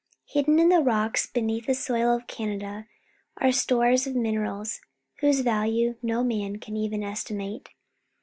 Hidden in the rocks beneath the soil of Canada are stores of minerals whose value no man can even estimate